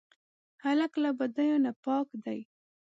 هلک له بدیو نه پاک دی.